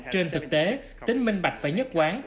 trên thực tế tính minh bạch phải nhất quán